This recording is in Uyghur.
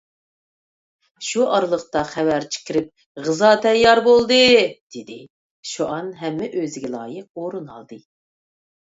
شۇ ئارىلىقتا خەۋەرچى كىرىپ: «غىزا تەييار بولدى» دېدى. شۇئان ھەممە ئۆزىگە لايىق ئورۇن ئالدى.